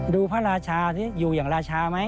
พระราชาสิอยู่อย่างราชาไหม